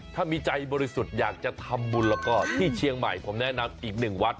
ถ้ามีใจบริสุทธิ์อยากจะทำบุญแล้วก็ที่เชียงใหม่ผมแนะนำอีกหนึ่งวัด